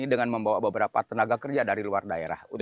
dengan membawa beberapa tenaga kerja dari luar daerah